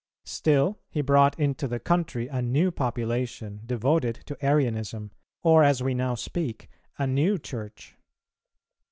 Still he brought into the country a new population, devoted to Arianism, or, as we now speak, a new Church.